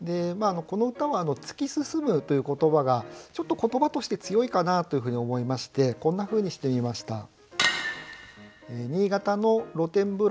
この歌は「突き進む」という言葉がちょっと言葉として強いかなというふうに思いましてこんなふうにしてみました。